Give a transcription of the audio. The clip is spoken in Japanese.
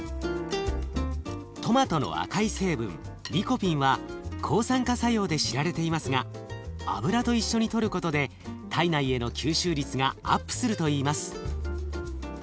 トマトの赤い成分リコピンは抗酸化作用で知られていますが油と一緒にとることで体内への吸収率がアップするといいます。